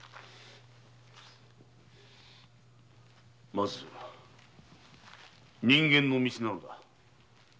まずは“人間の道”なのだ。